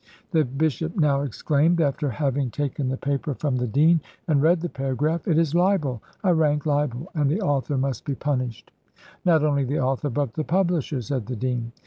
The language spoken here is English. The bishop now exclaimed, after having taken the paper from the dean, and read the paragraph, "It is a libel, a rank libel, and the author must be punished." "Not only the author, but the publisher," said the dean.